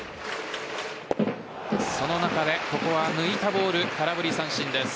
その中でここは抜いたボール空振り三振です。